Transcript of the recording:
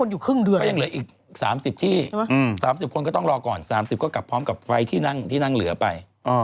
อย่างที่นั่งเหลือไป